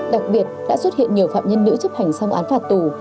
đặc biệt đã xuất hiện nhiều phạm nhân nữ chấp hành xong án phạt tù